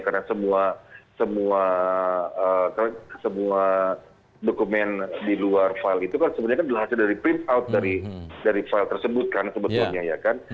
karena semua dokumen di luar file itu kan sebenarnya hasil dari print out dari file tersebut kan sebetulnya ya kan